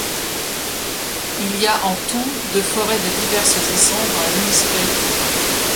Il y a en tout de forêts de diverses essences dans la municipalité.